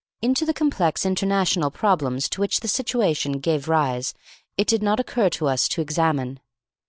Into the complex international problems to which the situation gave rise it did not occur to us to examine.